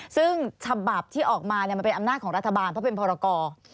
ซึ่งฉบับที่ออกมามันเป็นอำนาจของรัฐบาลเพราะเป็นพรกร